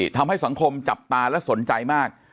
ทำให้สังคมจับตาและสนใจมาก